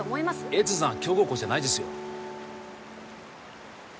越山は強豪校じゃないですよ